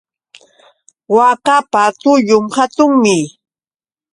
Waakapa tullun hatunmi.